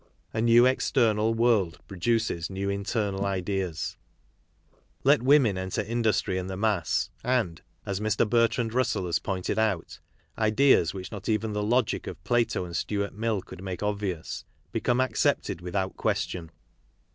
A new external world produces new internal ideas. Let womerf enter industry ii^ the mass and, as Mr. Bertrand Russell has pointed out, ideas which not even the logic of Plato and Stuart Mill could make obvious, become accepted without question.